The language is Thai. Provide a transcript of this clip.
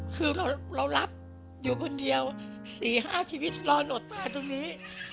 คือเรารับอยู่คนเดียว๔๕ชีวิตรออดตายตรงนี้